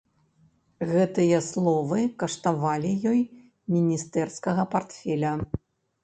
Гэтыя словы каштавалі ёй міністэрскага партфеля.